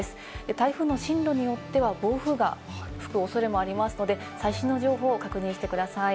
台風の進路によっては暴風が吹く恐れもありますので、最新の情報を確認してください。